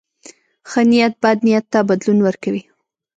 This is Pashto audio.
ښه نیت بد نیت ته بدلون ورکوي.